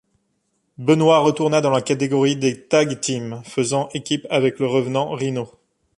Benoit retourna dans la catégorie des Tag Teams, faisant équipe avec le revenant Rhyno.